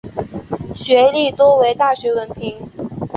学历多为大学文凭。